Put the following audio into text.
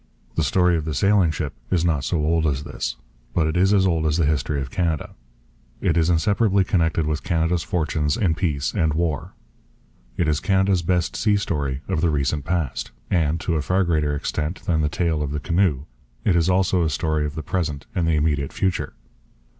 The story of the sailing ship is not so old as this. But it is as old as the history of Canada. It is inseparably connected with Canada's fortunes in peace and war. It is Canada's best sea story of the recent past. And, to a far greater extent than the tale of the canoe, it is also a story of the present and the immediate future.